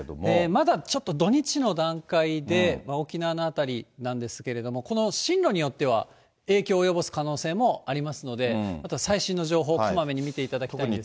まだちょっと土日の段階で、沖縄の辺りなんですけれども、この進路によっては影響及ぼす可能性もありますので、また最新の情報、こまめに見ていただきたいんですが。